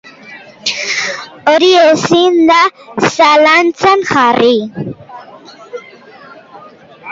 Hori ezin da zalantzan jarri.